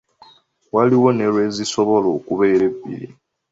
Waliwo ne lwezisobola okubeera ebbiri.